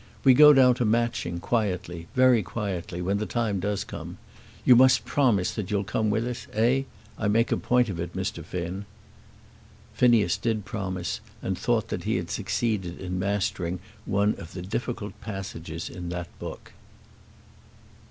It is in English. We go down to Matching quietly, very quietly, when the time does come. You must promise that you'll come with us. Eh? I make a point of it, Mr. Finn." Phineas did promise, and thought that he had succeeded in mastering one of the difficult passages in that book.